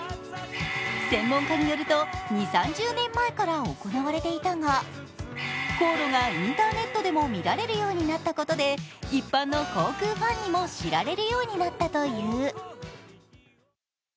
専門家によると２０３０年前から行われていたが航路がインターネットでも見られるようになったことで一般の航空ファンにも知られるようになったという。